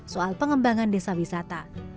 soal pengembangan desa wisata